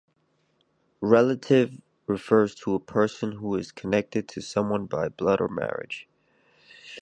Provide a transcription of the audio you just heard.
"Relative" refers to a person who is connected to someone by blood or marriage.